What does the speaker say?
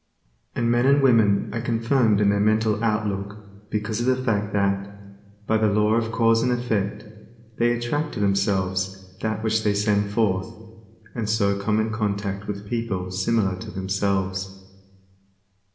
And men and women are confirmed in their mental outlook because of the fact that, by the law of cause and effect, they attract to themselves that which they send forth, and so come in contact with people similar to themselves.